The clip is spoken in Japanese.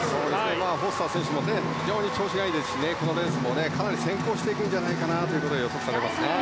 フォスター選手も非常に調子がいいですしこのレースも、かなり先行してくるんじゃないかと予測されますね。